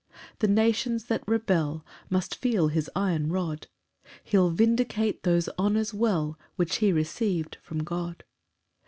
8 The nations that rebel Must feel his iron rod; He'll vindicate those honours well Which he receiv'd from God.